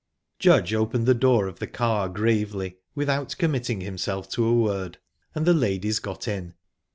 Judge opened the door of the car gravely, without committing himself to a word, and the ladies got in.